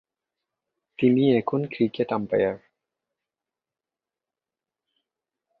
তিনি এখন cricket umpire.